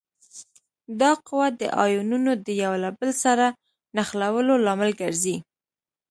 دا قوه د آیونونو د یو له بل سره نښلولو لامل ګرځي.